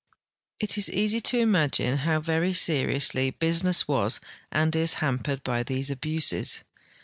It is easy to imagine how ver}^ seriously business Avas and is hampered by these abuses.